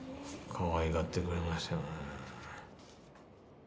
かわいがってくれましたよね。